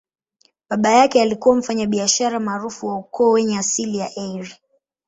Baba yake alikuwa mfanyabiashara maarufu wa ukoo wenye asili ya Eire.